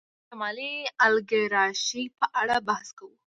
دلته د مالي الیګارشۍ په اړه بحث کوو